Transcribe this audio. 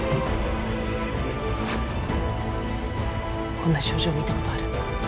こんな症状見たことある？